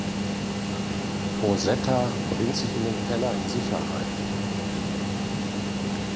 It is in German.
Rosetta bringt sich in den Keller in Sicherheit.